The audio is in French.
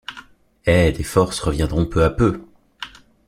Eh les forces reviendront peu à peu